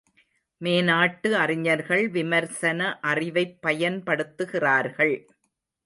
மேநாட்டு அறிஞர்கள் விமர்சன அறிவைப் பயன்படுத்துகிறார்கள்.